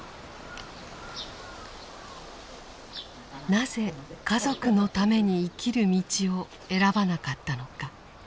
なぜ家族のために生きる道を選ばなかったのか。